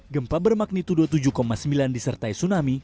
gempa bermagnitudo tujuh sembilan disertai tsunami